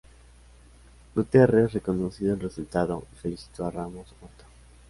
Guterres reconoció el resultado y felicitó a Ramos-Horta.